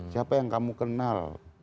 siapa yang kamu kenal